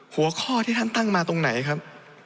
หัวข้อที่ท่านตั้งมาตรงไหนครับ